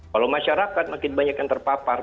kalau masyarakat makin banyak yang terpapar